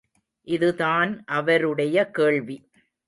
இதுதான் அவருடைய கேள்வி.